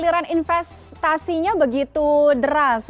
pastinya begitu deras